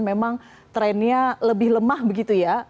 memang trennya lebih lemah begitu ya